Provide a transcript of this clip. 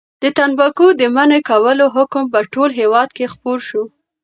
د تنباکو د منع کولو حکم په ټول هېواد کې خپور شو.